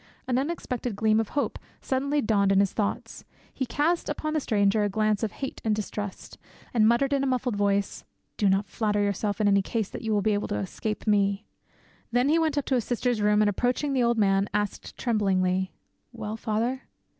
An unexpected gleam of hope suddenly dawned in his thoughts; he cast upon the stranger a glance of hate and distrust, and muttered in a muffled voice, "Do not flatter yourself, in any case, that you will be able to escape me." Then he went up to his sister's room, and approaching the old man, asked tremblingly, "Well, father?"